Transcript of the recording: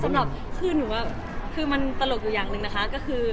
ซึ่งก็คือหนูว่ามันตลกอยู่อย่างหนึ่งนะค่ะ